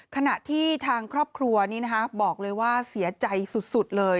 ขณะที่ทางครอบครัวนี้บอกเลยว่าเสียใจสุดเลย